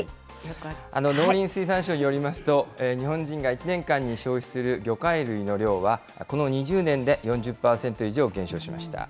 農林水産省によりますと、日本人が１年間に消費する魚介類の量は、この２０年で４０％以上減少しました。